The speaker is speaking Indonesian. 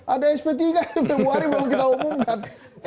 ada sp tiga februari belum kita umumkan